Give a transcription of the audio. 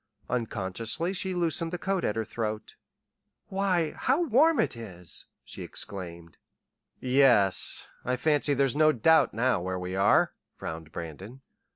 Unconsciously she loosened the coat at her throat. "Why, how warm it is!" she exclaimed. "Yes. I fancy there's no doubt now where we are," frowned Brandon.